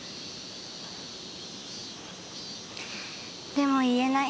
でも言えない。